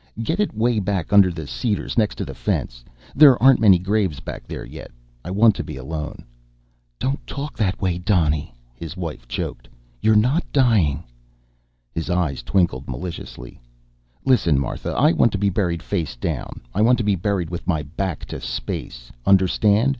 "Get it way back under the cedars next to the fence. There aren't many graves back there yet. I want to be alone." "Don't talk that way, Donny!" his wife had choked. "You're not dying." His eyes twinkled maliciously. "Listen, Martha, I want to be buried face down. I want to be buried with my back to space, understand?